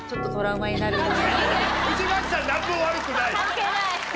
関係ない！